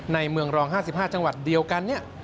ในเมืองรอง๕๕จังหวัดเดียวกัน